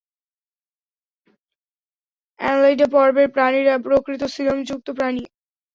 Annelida পর্বের প্রাণীরা প্রকৃত সিলোমযুক্ত প্রাণী।